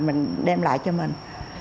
mình đem lại cho mình